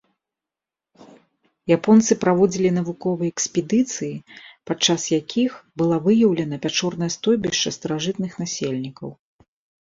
Японцы праводзілі навуковыя экспедыцыі, пад час якіх была выяўлена пячорнае стойбішча старажытных насельнікаў.